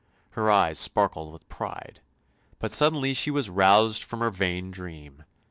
Her eyes sparkled with pride, but suddenly she was roused from her vain dream.